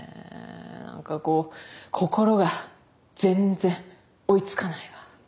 何かこう心が全然追いつかないわ。